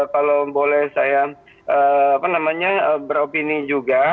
kalau boleh saya beropini juga